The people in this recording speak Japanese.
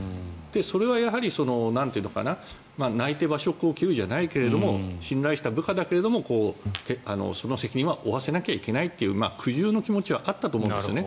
それは泣いて馬謖を斬るじゃないけど信頼した部下だけどその責任は負わせなきゃいけないという苦渋の気持ちはあったと思うんですね。